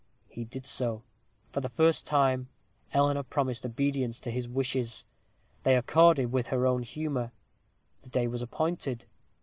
He did so. For the first time, Eleanor promised obedience to his wishes. They accorded with her own humor. The day was appointed.